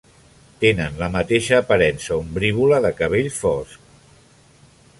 Tenen la mateixa aparença ombrívola de cabell fosc.